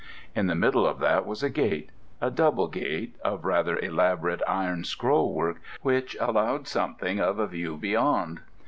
In the middle of that was a gate a double gate of rather elaborate iron scroll work, which allowed something of a view beyond.